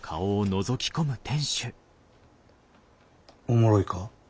おもろいか？